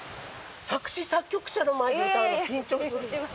作詞作曲者の前で歌うの緊張する。